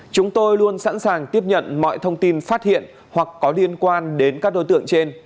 chúng tôi luôn sẵn sàng tiếp nhận mọi thông tin phát hiện hoặc có liên quan đến các đối tượng trên